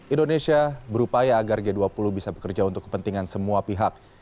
indonesia berupaya agar g dua puluh bisa bekerja untuk kepentingan semua pihak